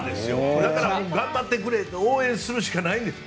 これから頑張ってくれと応援するしかないんです。